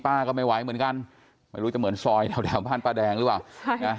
ก็ไม่ไหวเหมือนกันไม่รู้จะเหมือนซอยแถวแถวบ้านป้าแดงหรือเปล่านะ